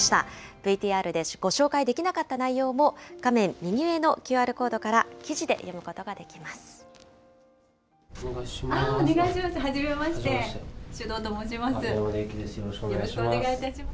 ＶＴＲでご紹介できなかった内容も、画面右上のＱＲコードから記事で読むことができます。